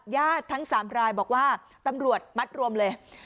ทั้ง๓รายบอกว่าตำรวจมัดรวมเลย